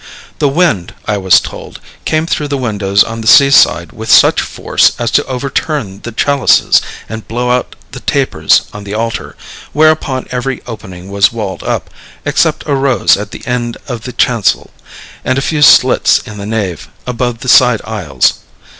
The wind, I was told, came through the windows on the sea side with such force as to overturn the chalices, and blow out the tapers on the altar, whereupon every opening was walled up, except a rose at the end of the chancel, and a few slits in the nave, above the side aisles.